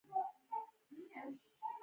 ښه اوریدونکی کیدل هم یو مهم مهارت دی.